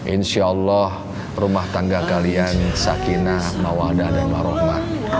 insya allah rumah tangga kalian sakinah mawadah dan marohma